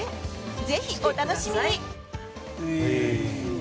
ぜひお楽しみに。